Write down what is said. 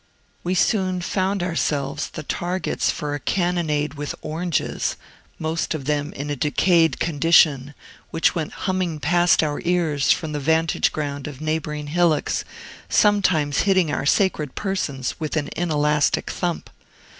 We soon found ourselves the targets for a cannonade with oranges (most of them in a decayed condition), which went humming past our ears from the vantage ground of neighboring hillocks, sometimes hitting our sacred persons with an inelastic thump.